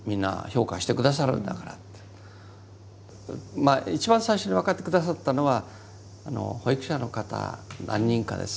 まあ一番最初に分かって下さったのは保育者の方何人かです。